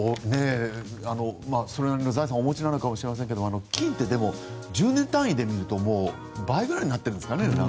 それなりの財産をお持ちなのかもしれませんけどでも、金って１０年単位でみると倍くらいになっているんですね。